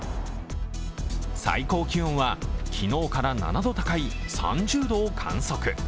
最高気温は昨日から７度高い３０度を観測。